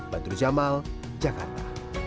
bantri jamal jakarta